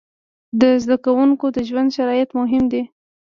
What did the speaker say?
د زده کوونکو د ژوند شرایط مهم دي.